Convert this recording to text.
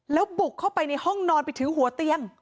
แล้วบุกเข้าไปในห้องนอนไปถึงหัวเตียง